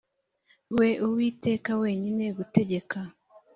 we uwiteka wenyine gutegeka